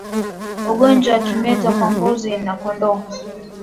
Ugonjwa wa kimeta kwa mbuzi na kondoo